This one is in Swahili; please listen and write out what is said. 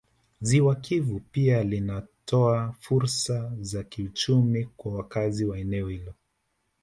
Ziwa Kivu pia linatoa fursa za kiuchumi kwa wakazi wa eneo hilo